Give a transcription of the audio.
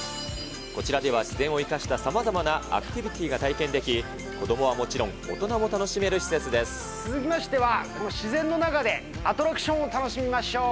こちらでは自然を生かしたさまざまなアクティビティが体験でき、子どもはもちろん、大人も楽しめ続きましては自然の中で、アトラクション？